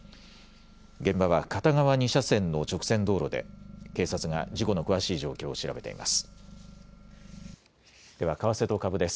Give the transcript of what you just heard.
現場は片側２車線の直線道路で警察が事故の詳しい状況を調べています。